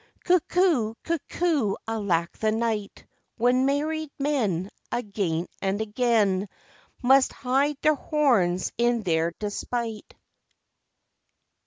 Cuckoo! cuckoo! alack the night, When married men, Again and again, Must hide their horns in their despite.